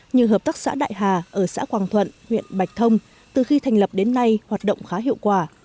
như hợp tác xã đại hà ở xã quang thuận huyện bạch thông từ khi thành lập đến nay hoạt động khá hiệu quả